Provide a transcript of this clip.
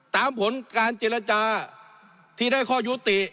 ผลการเจรจาที่ได้ข้อยุติ